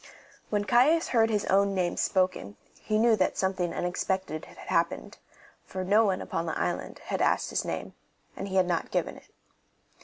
When Caius heard his own name spoken, he knew that something unexpected had happened, for no one upon the island had asked his name, and he had not given it.